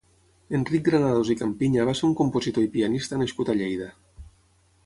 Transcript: Enric Granados i Campiña va ser un compositor i pianista nascut a Lleida.